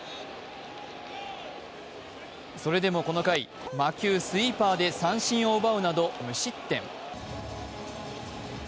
それでもこの回、魔球・スイーパーで三振を奪うなど無失点。